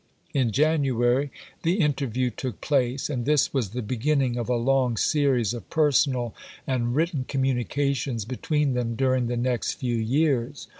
In January the interview took place, and this was the beginning of a long series of personal and written communications between them during the next few years.